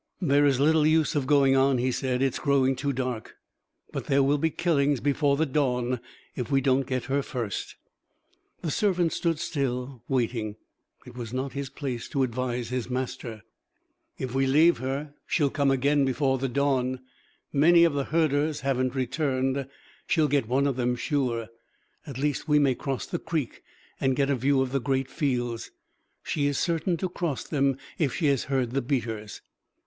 "There is little use of going on," he said. "It is growing too dark. But there will be killings before the dawn if we don't get her first." The servant stood still, waiting. It was not his place to advise his master. "If we leave her, she'll come again before the dawn. Many of the herders haven't returned she'll get one of them sure. At least we may cross the creek and get a view of the great fields. She is certain to cross them if she has heard the beaters."